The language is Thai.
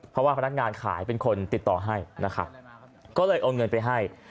เพราะว่าพนักงานขายเป็นคนติดต่อให้นะครับก็เลยเอาเงินไปให้